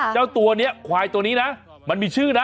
เจ้าตัวนี้ควายตัวนี้นะมันมีชื่อนะ